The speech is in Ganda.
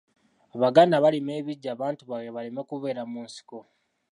Abaganda balima ebiggya abantu baabwe baleme kubeera mu nsiko.